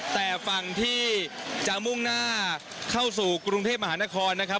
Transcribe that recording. แต่ฝั่งที่จะมุ่งหน้าเข้าสู่กรุงเทพมหานครนะครับ